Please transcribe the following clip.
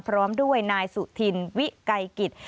พร้อมด้วยนายสุธินวิไกกิจ